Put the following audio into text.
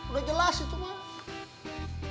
udah jelas itu mah